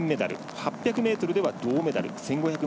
８００ｍでは銅メダル。